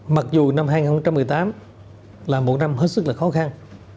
mặc dù năm hai nghìn một mươi tám là một năm hết sức là khó khăn